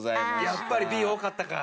やっぱりＢ多かったか。